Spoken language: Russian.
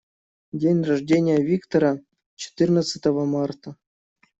День рождения Виктора - четырнадцатого марта.